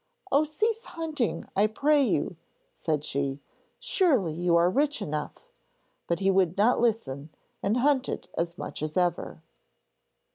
'Oh, cease hunting, I pray you!' said she. 'Surely you are rich enough'; but he would not listen, and hunted as much as ever.